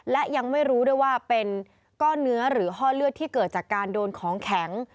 และยังไม่รู้ด้วยว่าเป็นก้อนเนื้อหรือห้อเลือดที่เกิดจากการโดนของแข็ง